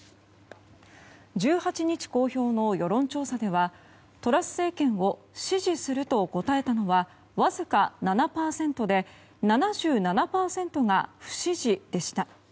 １８日公表の世論調査ではトラス政権を支持すると答えたのは、わずか７％で７７％が不支持でした。